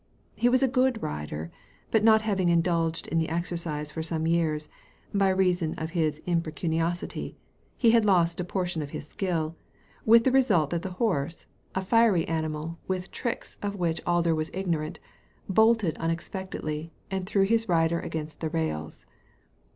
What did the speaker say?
He was a good rider, but not having indulged in the exercise for some years, by reason of his impecuniosity, he had lost a portion of his skill, with the result that the horse, a fiery animal Digitized by Google THE UNEXPECTED OCCURS 2oi with tricks of which Alder was ignorant, bolted un expectedly, and threw his rider against the rails.